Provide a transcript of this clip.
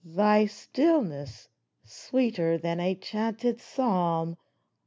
Thy stillness, sweeter than a chanted psalm